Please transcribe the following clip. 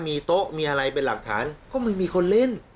มีโต๊ะมีอะไรเป็นหลักฐานก็ไม่มีคนเล่น